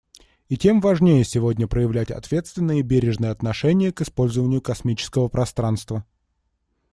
И тем важнее сегодня проявлять ответственное и бережное отношение к использованию космического пространства.